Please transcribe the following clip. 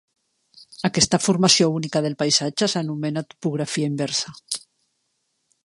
Aquesta formació única del paisatge s'anomena topografia inversa.